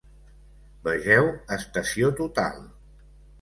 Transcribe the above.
Vegeu estació total.